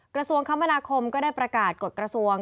กระสวงคมรคมก็ได้ประกาศกดกรรศวง